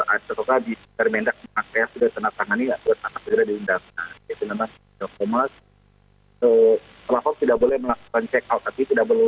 aksesok lagi termendak memakai asisten atas tangan ini